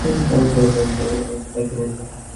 কারণ ছাড়া তো আর সবাই আমাকে এই নামে ডাকে না।